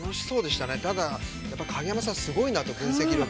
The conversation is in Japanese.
ただ、やっぱ影山さんすごいなと、分析力。